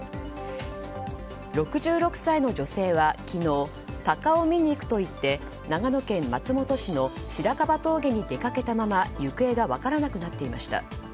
６６歳の女性は昨日タカを見に行くといって長野県松本市の白樺峠に出かけたまま行方が分からなくなっていました。